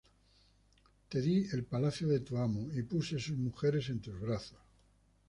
Te di el palacio de tu amo, y puse sus mujeres en tus brazos.